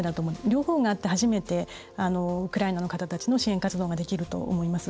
両方があって初めてウクライナの方たちの支援活動ができると思います。